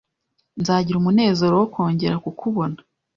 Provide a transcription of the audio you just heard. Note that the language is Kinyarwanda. Nzagira umunezero wo kongera kukubona?